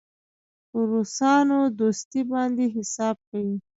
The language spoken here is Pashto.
پر روسانو دوستي باندې حساب کوي.